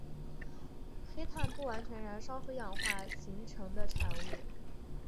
黑碳不完全燃烧和氧化形成的产物。